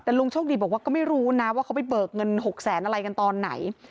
แต่ลุงโชคดีบอกว่าก็ไม่รู้นะว่าเขาไปเบิกเงิน๖แสนอะไรกันตอนไหน